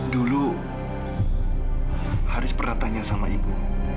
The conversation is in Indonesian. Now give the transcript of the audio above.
dulu haris pernah tanya sama ibu